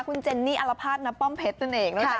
คุณเจนนี่อัลภาษณ์นับป้อมเพชรนั่นเองนะคะ